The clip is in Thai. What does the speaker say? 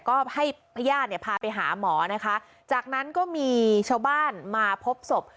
ก็ให้พญาติเนี่ยพาไปหาหมอนะคะจากนั้นก็มีชาวบ้านมาพบศพ